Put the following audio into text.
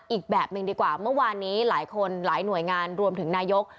อีกแบบหนึ่งดีกว่าเมื่อวานนี้หลายคนหลายหน่วยงานรวมถึงนายก